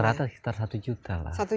rata rata sekitar satu juta lah